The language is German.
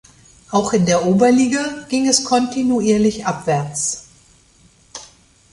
Auch in der Oberliga ging es kontinuierlich abwärts.